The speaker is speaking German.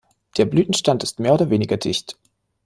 Der Blütenstand ist mehr oder weniger dicht.